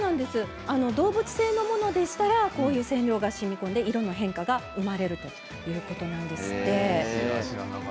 動物性のものだったらこういう染料がしみこんで色の変化が生まれるということなんですって。